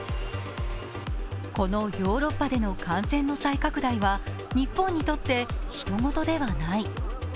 このヨーロッパでの感染の再拡大は日本にとってひと事ではない。